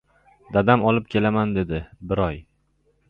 — Dam olib kelaman, — dedi. — Bir oy!